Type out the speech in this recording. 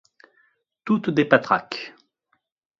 Toutes des patraques.